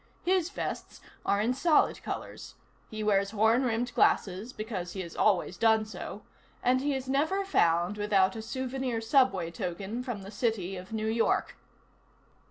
His vests are in solid colors, he wears horn rimmed glasses because he has always done so, and he is never found without a souvenir subway token from the City of New York.